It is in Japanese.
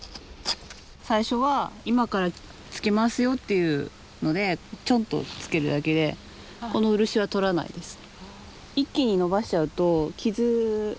最初は今からつけますよっていうのでチョンとつけるだけでこの漆はとらないです。